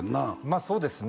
まあそうですね